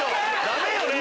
ダメよね？